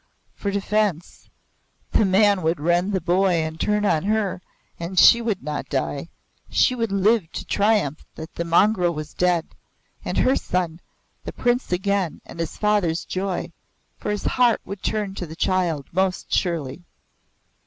For defense the man would rend the boy and turn on her and she would not die. She would live to triumph that the mongrel was dead, and her son, the Prince again and his father's joy for his heart would turn to the child most surely.